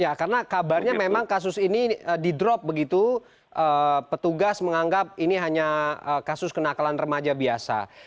ya karena kabarnya memang kasus ini di drop begitu petugas menganggap ini hanya kasus kenakalan remaja biasa